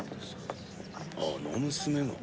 あの娘が？